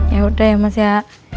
yaudah ya mas ya